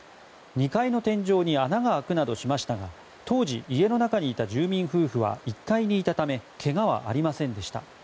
２階の天井に穴が開くなどしましたが当時、家の中にいた住民夫婦は１階にいたため怪我はありませんでした。